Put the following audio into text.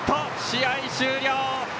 試合終了！